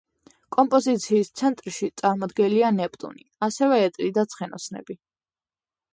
კომპოზიციის ცენტრში წარმოდგენილია ნეპტუნი, ასევე ეტლი და ცხენოსნები.